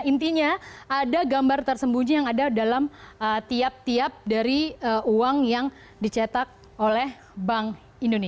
intinya ada gambar tersembunyi yang ada dalam tiap tiap dari uang yang dicetak oleh bank indonesia